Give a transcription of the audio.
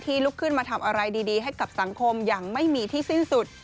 ลุกขึ้นมาทำอะไรดีให้กับสังคมอย่างไม่มีที่สิ้นสุด